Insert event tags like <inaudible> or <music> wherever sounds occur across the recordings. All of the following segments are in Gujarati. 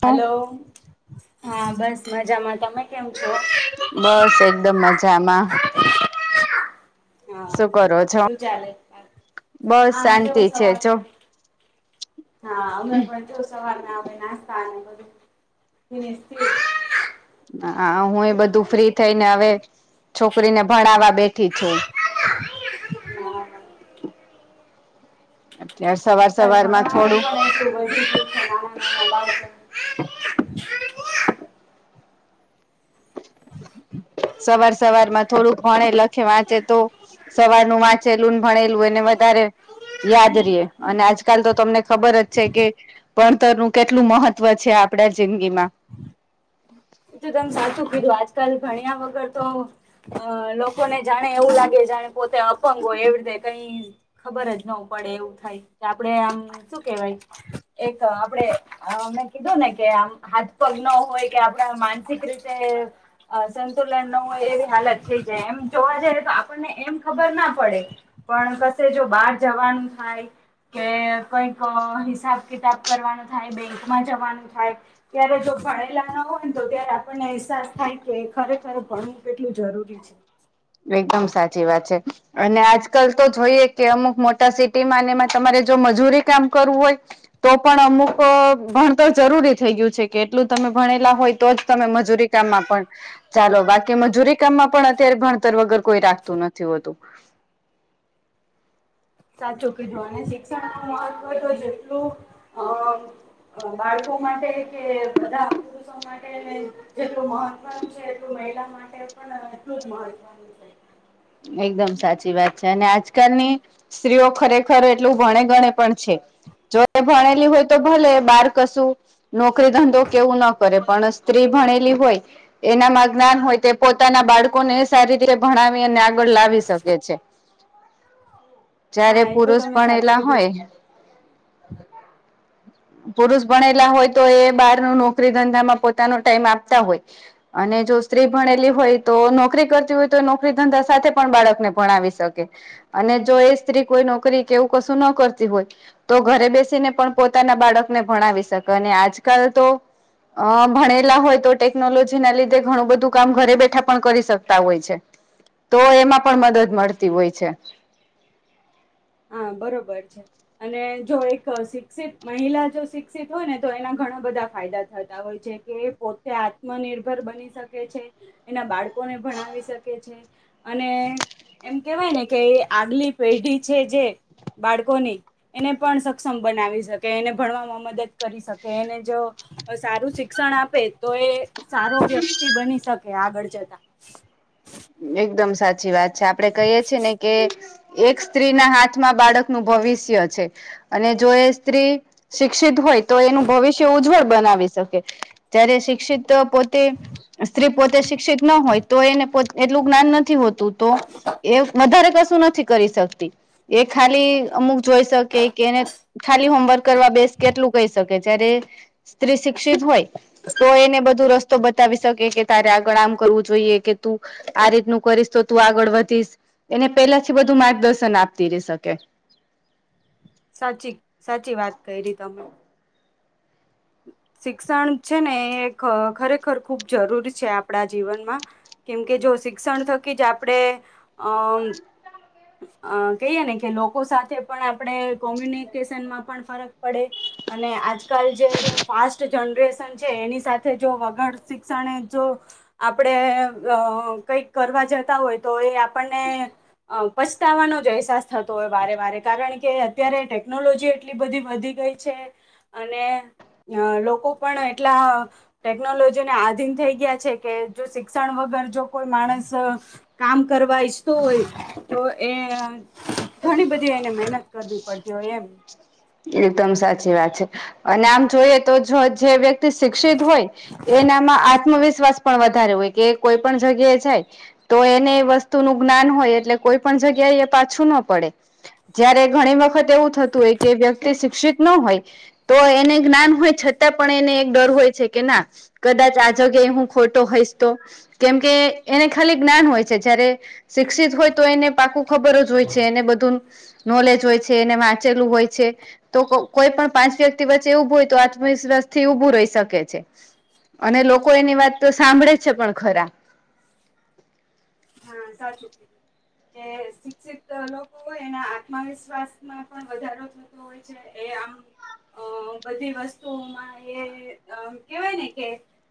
હાલો, હા, બસ મજામાં, તમે કેમ છો? બસ એકદમ મજામાં. હા શું કરો છો? શું ચાલે બસ હા શાંતિ જો છે જો. સવારમાં હા અમે પણ જો સવાર ના આમ નાસ્તા અને બધું <inaudible> હા હુય બધું ફ્રી થઈને હવે છોકરીને ભણાવવા બેઠી છુ. <inaudible> એટલે સવાર આજકાલ સવારમાં ભણવાનું થોડું પણ એટલું વધી ગયુ છે નાના નાના બાળકો સવાર સવાર માં થોડુંક ભણે, લખે, વાંચે તો સવારનું વાંચેલું ભણેલું એને વધારે યાદ રિયે અને આજકાલ તો તમને ખબર જ છે કે ભણતરનુ કેટલું મહત્વ છે આપડા જિંદગીમાં. <unintelligible> સાચું કીધું આજકાલ ભણ્યા વગર તો અ લોકોને જાણે એવું લાગે જાણે પોતે અપંગ હોય એવું તે કઈ ખબર જ નો પડે એવું થાય કે આપડે આમ શું કેવાય એક આપડે મેં કીધું ને કે આમ હાથ પગ ન હોય કે આમ તો માનસિક રીતે અ સંતુલન ન હોય એવી હાલત થઈ જાય એમ જોવા જઈ તો આપણને એમ ખબર ના પડે પણ કશે જો બહાર જવાનું થાય. કે કઈક હિસાબ કિતાબ કરવાનું થાય બેંકમાં જવાનું થાય. ત્યારે જો ભણેલા ના હોય તો ત્યારે આપણને અહેસાસ થાય કે ખરેખર ભણવું કેટલું જરૂરી છે. એકદમ સાચી વાત છે. અને આજકાલ તો જોઈએ કે અમુક મોટા સિટી માં એમાં તમારે જો મજૂરી કામ કરવું હોય તો પણ અમુક અહ ભણતર જરૂરી થઈ ગયું છે કે એટલું તમે ભણેલા હોય તો જ તમે મજૂરી તા માં પણ ચાલો બાકી મજૂરી કામમાં અત્યારે ભણતર વગર કોઈ રાખતું નથી હોતું. સાચું કીધું અને શિક્ષણ નું મહત્વ તો જેટલું અહ અહ બાળકો માટે કે બધા પુરુષો માટે જેટલું મહત્વનું છે એટલું મહિલા માટે પણ એટલું જ મહત્વનું છે. એકદમ સાચી વાત છે, અને આજકાલની સ્ત્રીઓ ખરેખર એટલું ભણે-ગણે પણ છે. જો એ ભણેલી હોય તો ભલે બહાર કશું નોકરી ધંધો કેવું ન કરે, પણ સ્ત્રી ભણેલી હોય એનામાં જ્ઞાન હોય, તે પોતાનાં બાળકોને સારી રીતે ભણાવી ને ગળ લાવી શકે છે. જ્યારે હા એ તો પુરુષ તમે પણ સાચું એલા કીધું હોય પુરુષ ભણેલા હોય તો એ બહાર નો નોકરી-ધંધામાં પોતાનો ટાઈમ આપતા હોય અને જો સ્ત્રી ભણેલી હોય તો નોકરી કરતી હોય તો નોકરી-ધંધા સાથે પણ બાળકને ભણાવી શકે અને જો એ સ્ત્રી કોઈ નોકરી કે એવું કશું ના કરતી હોય તો ઘરે બેસીને પણ પોતાના બાળકને ભણાવી શકે અને આજકાલ તો અહ ભણેલા હોય તો ટેકનોલોજીના લીધે ઘણું બધું કામ ઘરે બેઠા પણ કરી શકતા હોય છે. તો એમાં પણ મદદ મળતી હોય છે. હા બરોબર છે. અને જો એક અહ શિક્ષિત મહિલા શિક્ષિત હોય ને, તો એના ઘણા બધા ફાયદા થતા હોય છે. કે પોતે આત્મનિર્ભર બની શકે છે, એના બાળકોને ભણાવી શકે છે અને એમ કહેવાય ને કે આગલી પેઢી છે, જે બાળકોની એને પણ સક્ષમ બનાવી શકે, એને ભણવામાં મદદ કરી શકે, એને જો અહ સારું શિક્ષણ આપે તો એ સારો વ્યક્તિ બની શકે આગળ જતાં. એકદમ સાચી વાત છે. આપડે કહીએ છીએ ને કે એક સ્ત્રીના હાથમાં બાળકનું ભવિષ્ય છે. અને જો એ સ્ત્રી શિક્ષિત હોય તો એનું ભવિષ્ય ઉજ્જવળ બનાવી શકે. ત્યારે શિક્ષિત અહ પોતે સ્ત્રી પોતે શિક્ષિત ન હોય તો એને પોત એટલું જ્ઞાન નથી હોતું, તો એ વધારે કશું નથી કરી શક તે. એ ખાલી અમુક જોઈ શકે કે એને ખાલી હોમવર્ક કરવા બેસ, એટલું કહી શકે જ્યારે સ્ત્રી શિક્ષિત હોય તો એને બધો રસ્તો બતાવી શકે કે તારે આગળ આમ કરવું જોઈએ કે તું આ રીતે કરીશ તો તું આગળ વધીશ, એને પહેલાથી બધું માર્ગદર્શન આપતી રહી શકે. હાચી, હાચી વાત કાઈરી તમે. શિક્ષણ છે ને, એ ખ-ખરેખર ખૂબ જરૂરી છે આપણા જીવનમાં. કેમ કે શિક્ષણ થકી જ આપડે અમ્મ અહ કહીએ ને કે લોકો સાથે આપડે કોમ્યુનિકેશનમાં પણ ફરક પડે અને આજકાલ જે ફાસ્ટ જનરેશન છે એની સાથે જો વગર શિક્ષણને જો આપડે અહ કંઈક કરવા જતા હોઈએ તો એ આપ આપણને અ પસ્તાવાનો અહેસાસ થતો હોય વારેવારે. કારણ કે અત્યારે ટેકનોલોજી એટલી બધી વધી ગઈ છે અને અ લોકો પણ એટલા ટેકનોલોજીને આધીન થઈ ગયા છે કે જો શિક્ષણ વગર જો કોઈ માણસ કામ કરવા ઈચ્છતું હોય તો એ ઘણી બધી એને મહેનત કરવી પડતી હોય એમ. એકદમ સાચી વાત છે. અને આમ જોઈએ તો જે વ્યક્તિ શિક્ષિત હોય એનામાં આત્મવિશ્વાસ પણ વધારે હોય, કે કોઈ પણ જગ્યાએ જાય તો એને એ વસ્તુનું જ્ઞાન હોય એટલે કોઈ પણ જગ્યાએ એ પાછો નો પડે. જ્યારે ઘણી વખત એવું થતું હોય કે વ્યક્તિ શિક્ષિત ન હોય તો એને જ્ઞાન હોય છતાં પણ એને એક ડર હોય છે કે ના. કદાચ આ જગ્યાએ હું ખોટો હોઈશ તો. કેમકે એને ખાલી જ્ઞાન હોય છે જયારે શિક્ષિત હોય તો એને પાકું ખબર જ હોય એને બધું નોલેજ હોય છે એને વાંચેલું હોય છે. તો કો કોઈ પણ પાંચ વ્યક્તિ વચ્ચે ઉભું હોય તો આત્મવિશ્વાસ થી ઉભું રહી શકે છે. અને લોકો એની વાત તો સાંભળે જ છે પણ ખરા. હા સાચુ કીધું. એ શિક્ષિત લોકો એના આત્મવિશ્વાસમાં પણ વધારો થતો હોય છે એ આમ અ બધી વસ્તુઓમાં એ અ કેહેવાય ને કે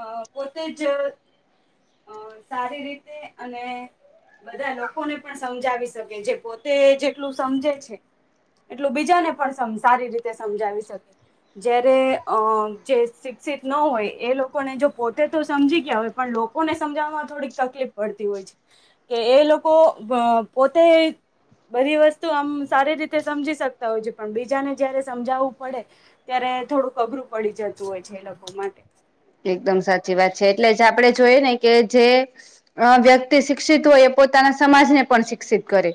અ પોતે જ અ સારી રીતે અને બધા લોકોને પણ સમજાવી શકે જે પોતે જેટલું સમજે છે. એટલું બીજાને પણ સમ સારી રીતે સમજાવી શકે. જયારે અ જે શિક્ષિત ન હોય એ લોકોને જો પોતે તો સમજી ગયા હોય પણ લોક લોકો ને સમજાવવામાં થોડીક તકલીફ પડતી હોય છે કે એ લોકો પોતે બધી વસ્તુ આમ સારી રીતે સમજી હોય છે પણ બીજાને જયારે સમજાવવું પડે ત્યારે થોડું અઘરું પડી જતું હોય છે એ લોકો માટે. એકદમ સાચી વાત છે એટલે જ આપડે જોયએ ને કે જે અ વ્યક્તિ શિક્ષિત હોય એ પોતાના સમાજને પણ શિક્ષિત કરે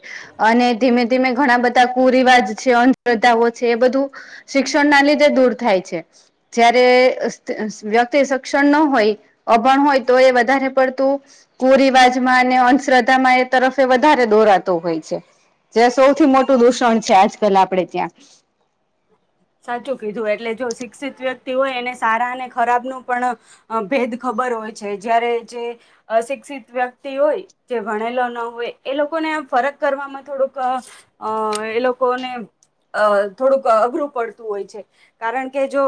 અને ધીમે-ધીમે ઘણા બધા લગતા કુરિવાજ છે અંધ્રદ્ધાઓ છે એ બધું શિક્ષણ ના લીધે દૂર થાય છે. જયારે અ સ વ્યતિ વ્યક્તિ સક્ષણ ન હોય અભણ હોય તો એ વધારે પડતું કુરિવાજ માં અને અંધશ્રદ્ધામાં એ તરફ એ વધારે દોરાતો હોય છે. જે સૌથી મોટું દૂષણ છે આજકાલ આપણેે ત્યાં. સાચું કીધું એટલે જો શિક્ષિત વ્યક્તિ હોય એને સારા અને ખરાબનું પણ અ ભેદ ખબર હોય છે જયારે જે અશિક્ષિત વ્યક્તિ હોય જે ભણેલો ન હોય એ લોકોને ફરક કરવામાં થોડુંક અ એ લોકોને અ થોડુંક અઘરું પડતું હોય છે. કારણ કે જો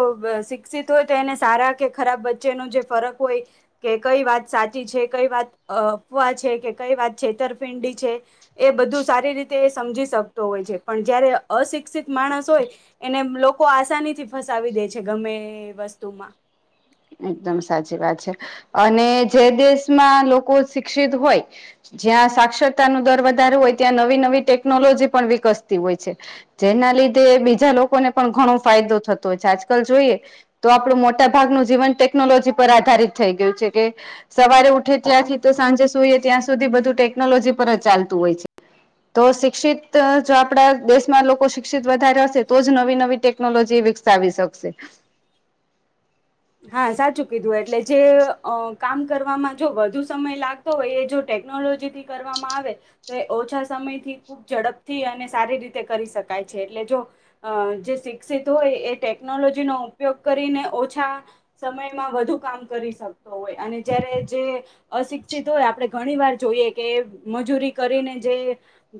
શિક્ષિત હોય તો એને સારા કે ખરાબ વચ્ચેનો જે ફરક હોય કે કઈ વાત સાચી છે, કઈ વાત અફવા છે, કે કઈ વાત છેતરપિંડી છે. એ બધું સારી રીતે એ સમજી શકતો હોય છે પણ જયારે અશિક્ષિત માણસ હોય એને લોકો આસાની થી ફસાવી દે છે ગમે એ વસ્તુમાં. એકદમ સાચી વાત છે અને જે દેશમાં લોકો શિક્ષિત હોય જ્યાં સાક્ષરતાનો દર વધારે હોય ત્યાં નવી-નવી ટેકનોલોજી પણ વિકસતી હોય છે. જેના લીધે બીજા લોકોને પણ ઘણો ફાયદો થતો હોય છે આજકાલ જોઈએ તો આપણું મોટા ભાગનું જીવન ટેકનોલોજી પર આધારિત થઈ ગયું છે કે સવારે ઉઠે ત્યાંથી તો સાંજે સુઈએ ત્યાં સુધી બધું ટેકનોલોજી પર જ ચાલતું હોય છે. તો શિક્ષિત જો આપણા દેશમાં લોકો શિક્ષિત વધારે હશે તો જ નવી નવી ટેકનોલોજી વિક સાવી શકશે. હા, સાચું કીધું એટલે જે અ કામ કરવામાં જો વધુ સમય લા તો હોય એ જો ટેકનોલોજીથી કરવામાં આવે તો ઓછા સમયથી, ખુબ ઝડપથી અને સારી રીતે કરી શકાય છે એટલે જો અ જે શિક્ષિત હોય એ ટેકનોલોજીનો ઉપયોગ કરીને ઓછા સમયમાં વધુ કામ કરી શકતો હોય અને જયારે જે અશિક્ષિત હોય આપણે ઘણીવાર જોઈએ કે મજૂરી કરીને જે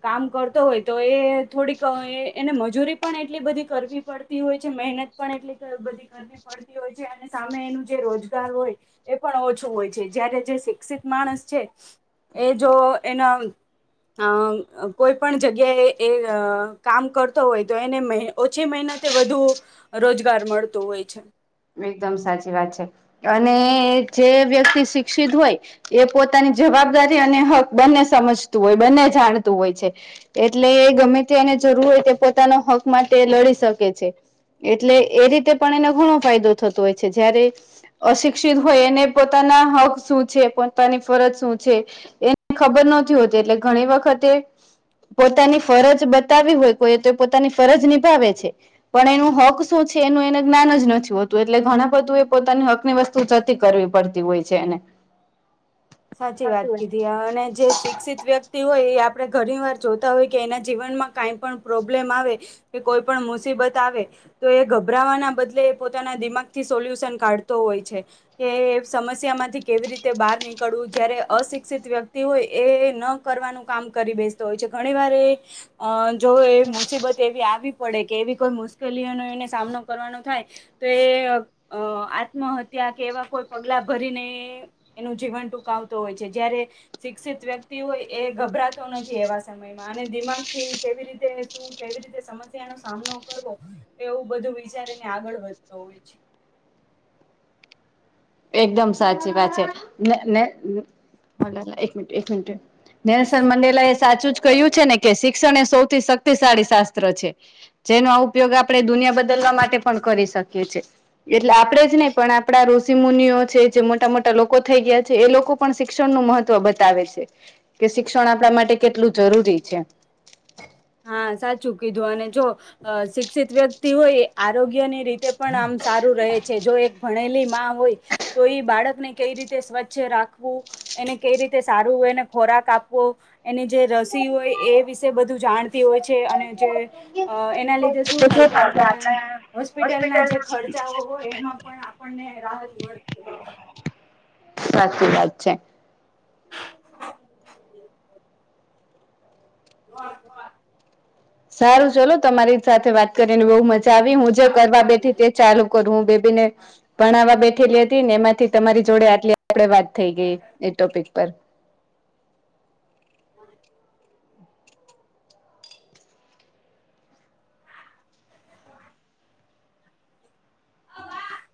કામ કરતો હોય તો એ થોડીક અ એ એને મજૂરી પણ એટલી બધી કરવી પડતી હોય છે, મહેન ત પણ એટલી ક બધી કરવી પડતી હોય છે અને સામે એનું જે રોજગાર હોય એ પણ ઓછું હોય છે, જયારે જે શિક્ષિત માણસ છે એ જો એના આવે અ કોઈ પણ જગ્યાએ એ અ કામ કરતો હોય તો એને મહે ઓછી મેહનતે વધુ રોજગાર મળતો હોય છે. એકદમ સાચી વાત છે અને જે વ્યક્તિ શિક્ષિત હોય એ પોતાની જવાબદારી અને હક બંને સમજતું હોય, બંને જાણતું હોય છે. એટલે એ ગમે તે એને જરૂર હોય તે પોતાના હક માટે લડી શકે છે. એટલે એ રીતે પણ એને ઘણો ફાયદો થતો હોય છે, જયારે અશિક્ષિત હોય એને પોતાના હક શું છે, પોતાની ફરજ શું છે એ ખબર નથી હોતી એટલે ઘણી વખતે પોતાની ફરજ બતાવવી હોય કોઈએ તો એ પોતાની ફરજ નિભાવે છે. પણ એનો હક શું છે એનું એને જ્ઞાન જ નથી. તુ હતું એટલે બધું એ પોતાની હકની વસ્તુ જતી કરવી પડતી હોય છે એને. સાચી વાત કીધી અને જે શિક્ષિત વ્ય ક્તિ હોય એ આપણે ઘણી વાર જોતા હોય કે એના જીવનમાં કાંઈ પણ પ્રોબ્લેમ આવે કે કોઈ પણ મુસીબત આવે તો એ ગભરાવાના બદલે એ પોતાના દિમાગથી સોલ્યુશન કાઢતો હોય છે. કે સમસ્યામાંથી કેવી રીતે બહાર ની કળવુ, જયારે અશિક્ષિત વ્યક્તિ હોય એ ન કરવાનું કામ કરી બેસતો હોય છે ઘણીવાર એ અ જો એ મુસીબત એવી આવી પડે કે એવી મુશ્કેલીઓનો એને સામનો કરવાનો થાય તો એ અ આત્મહત્યા કે એવા કોઈ પગલા ભરીને એનું જીવન ટુંકાવતો હોય છે, જ્યારે શિક્ષિત વ્યક્તિ હોય એ ગભરાતો નથી એવા સમયમાં અને દિમાગથી કેવી રીતે, શું કેવી રીતે સમસ્યાનો સામનો કરવો‌ એવું બધું વિચારીને આગળ વધતો હોય છે. એકદમ સાચી વાત છે. ન ન અ હેલો એક મિનટ, એક મિનટ નેલશન મંડેલાએ સાચું જ કહ્યું છે‌ ને કે શિક્ષણ એ સૌથી શક્તિશાળી શાસ્ત્ર છે. જેનો ઉપયોગ આપણે દુનિયા બદલવા માટે પણ કરી શકીએ છે. એટલે આપડે જ નહી, પણ આપડા ઋ ષિ મુનિઓ છે, જે મોટા મોટા લોકો થઈ ગયા છે, એ લોકો પણ શિક્ષણનું મહત્ત્વ બતાવે છે. કે શિક્ષણ આપણા માટે કેટલું જરૂરી છે. હા, સાચું કીધું અને જો શિક્ષિત વ્યક્તિ હોય એ આરોગ્યની રીતે પણ આમ સારું રહે છે. જો એક ભણેલી માં હોય તો એ બાળકને કઈ રીતે સ્વચ્છ રાખવું એને કઈ રીતે સારું હોય. એને ખોરાક આપવો એની જે રસી હોય એ વિશે બધું જાણવા. તે હોય છે અને જે એના લીધે શું થાય કે આપણે હોસ્પિટલ ના જે હોસ્પિટલના ખર્ચાઓ હોય એમાં પણ આપણને રાહત મળતી હો.. સાચી વાત છે... હ... સારું ચલો તમારી સાથે વાત કરીને બહુ મજા આવી. હું જે કરવા બેઠી તે ચાલુ કરવું બેબી ને ભ આવા બેઠેલી હતી. ને એમાંથી તમારી જોડે એટલી આપડે વાત થઈ એ ટોપિક પર હા... હ...